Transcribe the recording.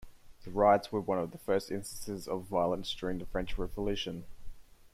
The riots were one of the first instances of violence during the French Revolution.